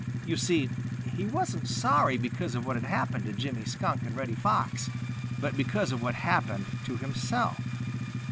You see, he wasn't sorry because of what had happened to Jimmy Skunk and Reddy Fox, but because of what had happened to himself.